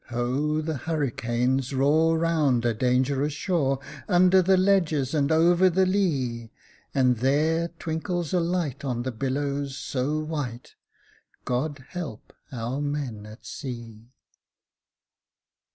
Ho! the hurricanes roar round a dangerous shore, Under the ledges and over the lea; And there twinkles a light on the billows so white God help our men at sea!